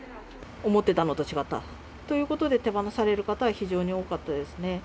思ってたのと違ったということで、手放される方が非常に多かったですね。